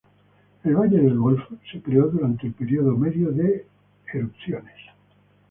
El valle de El Golfo se creó durante el periodo medio de erupciones.